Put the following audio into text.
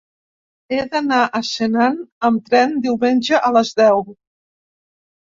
He d'anar a Senan amb tren diumenge a les deu.